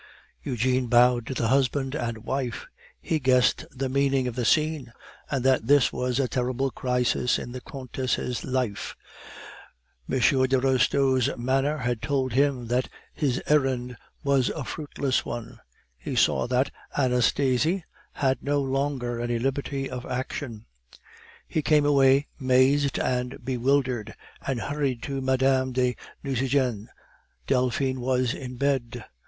Eugene bowed to the husband and wife; he guessed the meaning of the scene, and that this was a terrible crisis in the Countess' life. M. de Restaud's manner had told him that his errand was a fruitless one; he saw that Anastasie had no longer any liberty of action. He came away mazed and bewildered, and hurried to Mme. de Nucingen. Delphine was in bed.